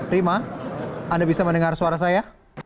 rima anda bisa mendengar suara saya